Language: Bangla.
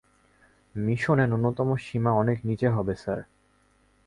মিশনে ন্যূনতম সীমা অনেক নিচে হবে, স্যার।